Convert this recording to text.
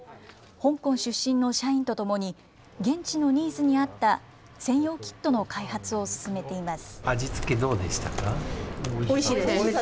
香港出身の社員と共に、現地のニーズに合った専用キットの開発を進めています。